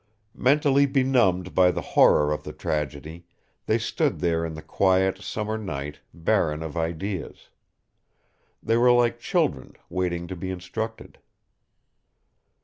Mentally benumbed by the horror of the tragedy, they stood there in the quiet, summer night, barren of ideas. They were like children, waiting to be instructed.